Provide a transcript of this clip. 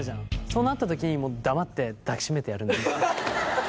そうなった時黙って抱き締めてやる。